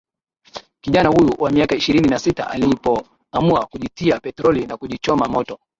kijana huyu wa miaka ishirini na sita alipo amua kujitia petroli na kujichoma moto